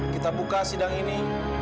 kita buka sidang ini